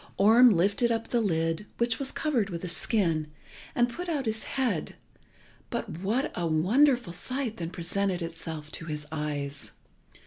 Orm lifted up the lid, which was covered with a skin, and put out his head, but what a wonderful sight then presented itself to his eyes!